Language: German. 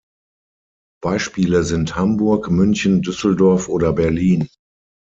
Beispiele sind Hamburg, München, Düsseldorf oder Berlin.